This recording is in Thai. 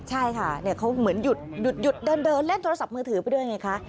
ใช่ค่ะเขาเหมือนหยุดเดินเล่นโทรศัพท์มือถือไปด้วยไงคะ